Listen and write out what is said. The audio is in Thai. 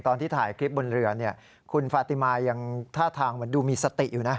ตอนที่ถ่ายคลิปบนเรือคุณฟาติมายังท่าทางดูมีสติอยู่นะ